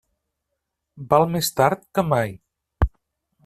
Val més tard que mai.